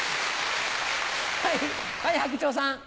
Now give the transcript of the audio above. はい白鳥さん。